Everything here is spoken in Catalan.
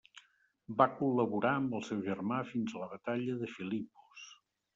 Va col·laborar amb el seu germà fins a la batalla de Filipos.